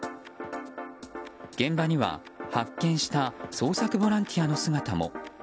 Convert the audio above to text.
現場には、発見した捜索ボランティアの姿も。